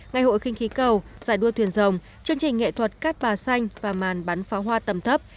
ngày hội kinh khí cầu giải đua thuyền rồng chương trình nghệ thuật cát bà xanh và màn bắn pháo hoa tầm thấp